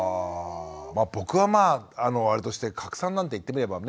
僕はまああれとして加耒さんなんて言ってみればね